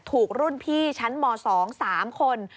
ถูกรุ่นพี่ชั้นหมอ๒สามคน